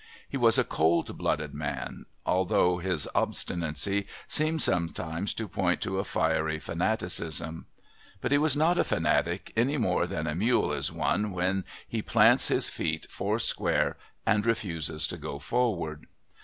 He was a cold blooded man, although his obstinacy seemed sometimes to point to a fiery fanaticism. But he was not a fanatic any more than a mule is one when he plants his feet four square and refuses to go forward.